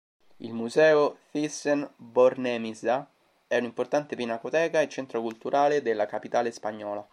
Il Museo Thyssen-Bornemisza è un'importante pinacoteca e centro culturale della capitale spagnola.